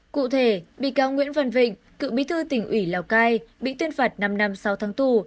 cụ thể bị cáo nguyễn văn vịnh cựu bí thư tỉnh ủy lào cai bị tuyên phạt năm năm sáu tháng tù